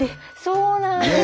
そうなんです！